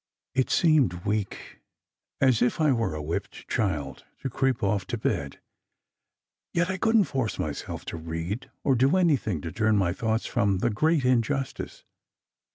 It seemed weak, as if I were a whipped child, to creep off to bed, yet I couldn t force myself to read, or do anything to turn my thoughts from the great injustice.